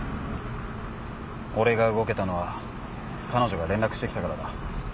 俺が動けたのは彼女が連絡してきたからだ。